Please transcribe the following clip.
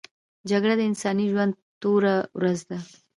جګړه د انساني ژوند توره ورځ ده